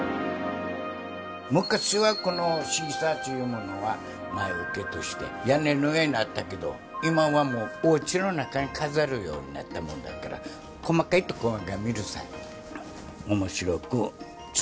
昔はこのシーサーというものは魔よけとして屋根の上にあったけど今はもうお家の中に飾るようになったもんだから細かいところを見る。